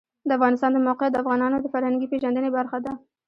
د افغانستان د موقعیت د افغانانو د فرهنګي پیژندنې برخه ده.